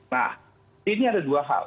nah ini ada dua hal